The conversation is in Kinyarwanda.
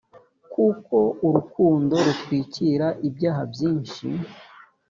kuko urukundo rutwikira ibyaha byinshi